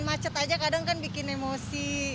macet aja kadang kan bikin emosi